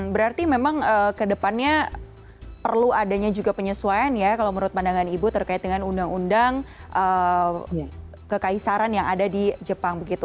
berarti memang kedepannya perlu adanya juga penyesuaian ya kalau menurut pandangan ibu terkait dengan undang undang kekaisaran yang ada di jepang begitu